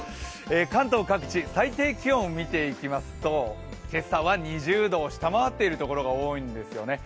関東各地、最低気温を見ていきますと今朝は２０度を下回っているところが多いんですよね。